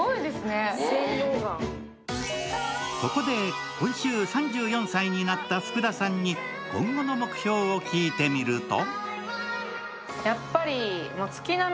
ここで、今週３４歳になった福田さんに今後の目標を聞いてみると？